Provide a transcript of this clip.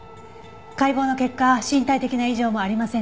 解剖の結果身体的な異常もありませんでした。